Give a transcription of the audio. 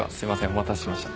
お待たせしました。